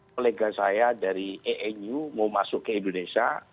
kolega saya dari enu mau masuk ke indonesia